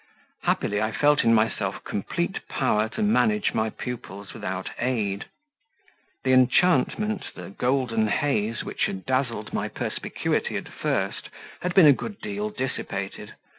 Happily, I felt in myself complete power to manage my pupils without aid; the enchantment, the golden haze which had dazzled my perspicuity at first, had been a good deal dissipated.